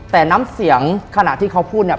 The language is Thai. แต่น้ำเสียงขณะที่เขาพูดเนี่ย